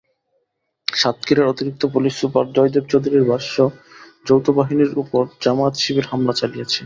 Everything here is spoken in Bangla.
সাতক্ষীরার অতিরিক্ত পুলিশ সুপার জয়দেব চৌধুরীর ভাষ্য, যৌথবাহিনীর ওপর জামায়াত-শিবির হামলা চালিয়েছে।